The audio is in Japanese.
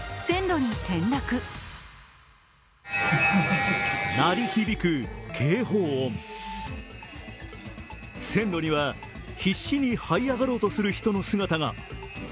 線路には必死にはい上がろうとする人の姿が。